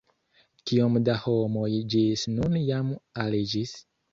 Kiom da homoj ĝis nun jam aliĝis?